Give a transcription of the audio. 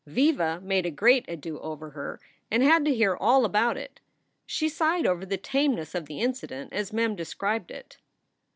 Viva made a great ado over her and had to hear all about it. She sighed over the tameness of the incident as Mem described it.